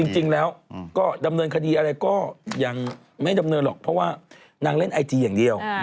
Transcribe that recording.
จริงแล้วก็ดำเนินคดีอะไรก็ยังไม่ดำเนินหรอกเพราะว่านางเล่นไอจีอย่างเดียว